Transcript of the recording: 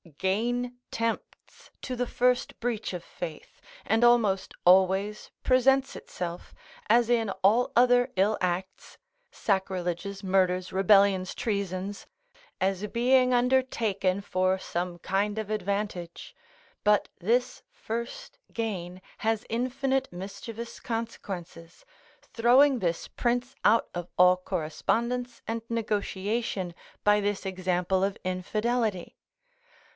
Gain tempts to the first breach of faith, and almost always presents itself, as in all other ill acts, sacrileges, murders, rebellions, treasons, as being undertaken for some kind of advantage; but this first gain has infinite mischievous consequences, throwing this prince out of all correspondence and negotiation, by this example of infidelity.